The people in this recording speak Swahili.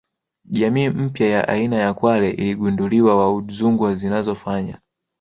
Jamii mpya ya aina ya kwale iligunduliwa wa Udzungwa zinazofanya